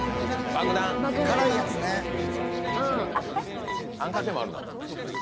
あんかけもあるな。